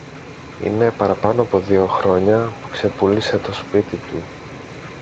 Είναι παραπάνω από δυο χρόνια που ξεπούλησε το σπίτι του